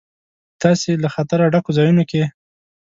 په داسې له خطره ډکو ځایونو کې.